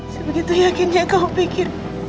sebegitu yakinnya kamu pikir